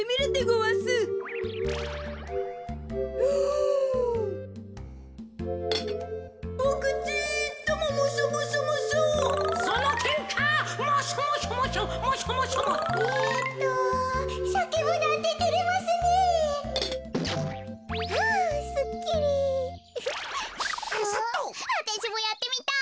わたしもやってみたい。